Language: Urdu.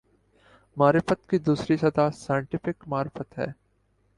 معرفت کی دوسری سطح "سائنٹیفک معرفت" ہے۔